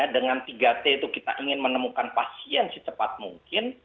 dengan tiga t itu kita ingin menemukan pasien secepat mungkin